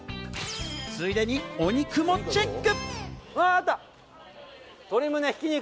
ついでにお肉もチェック。